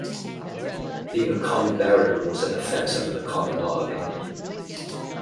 Being a common barrator was an offence under the common law of England.